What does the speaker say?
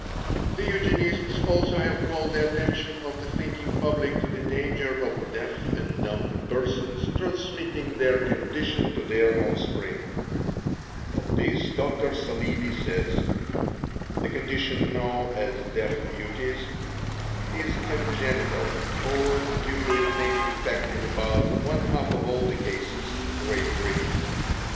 The Eugenists also have called the attention of the thinking public to the danger of deaf and dumb persons transmitting their condition to their offspring. Of this Dr. Saleeby says: "The condition known as deaf mutism is congenital or due to innate defect in about one half of all the cases in Great Britain."